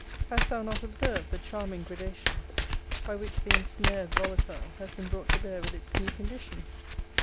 Hast thou not observed, the charming gradations by which the ensnared volatile has been brought to bear with its new condition?